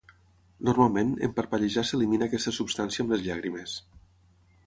Normalment, en parpellejar s'elimina aquesta substància amb les llàgrimes.